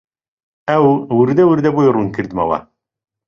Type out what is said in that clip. ئەو وردوردە بۆی ڕوون کردمەوە